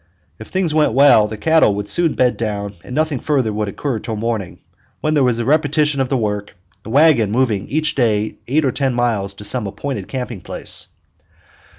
If things went well, the cattle would soon bed down and nothing further would occur until morning, when there was a repetition of the work, the wagon moving each day eight or ten miles to some appointed camping place.